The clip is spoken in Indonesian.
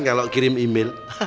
kalau kirim email